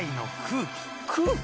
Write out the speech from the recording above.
空気？